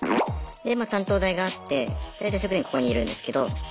でまあ担当台があって大体職員ここにいるんですけど。